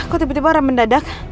kok tiba tiba orang mendadak